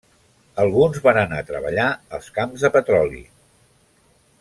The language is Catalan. Alguns van anar a treballar als camps de petroli.